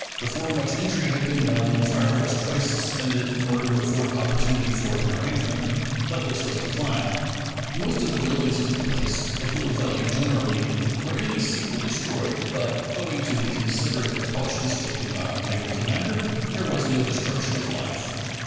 Before much injury had been done the fire was twice suspended in order to afford opportunity for an arrangement, but this was declined. Most of the buildings of the place, of little value generally, were in the sequel destroyed, but, owing to the considerate precautions taken by our naval commander, there was no destruction of life.